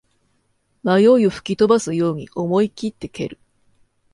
迷いを吹き飛ばすように思いきって蹴る